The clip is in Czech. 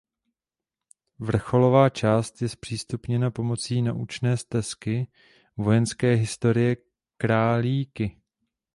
Vrcholová část je zpřístupněna pomocí naučné stezky vojenské historie Králíky.